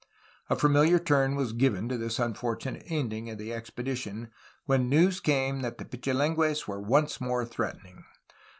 A familiar turn was given to this unfortunate end ing of the expedition when news came that the Pichilingues were once more threatening.